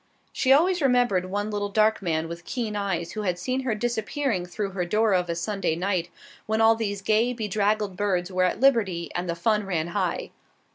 She always remembered one little dark man with keen eyes who had seen her disappearing through her door of a Sunday night when all these gay, bedraggled birds were at liberty and the fun ran high.